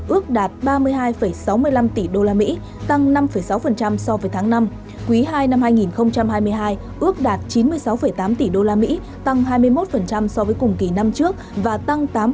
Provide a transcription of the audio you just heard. ước đạt ba mươi hai hai